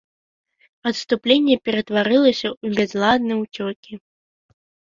Адступленне ператварылася ў бязладны ўцёкі.